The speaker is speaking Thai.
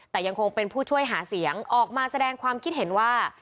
แต่ยังคงเป็นผู้ช่วยหาเสียงออกมาแสดงความคิดเห็นว่า